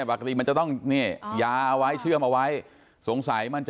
วักติมันจะต้องแล้วเชื่อมเอาไว้สงสัยมัน